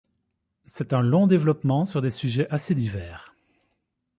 C'est un long développement sur des sujets assez divers.